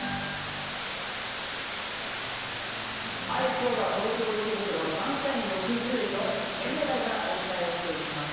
今日は東京・池袋サンシャイン６０の展望台からお伝えしていきます。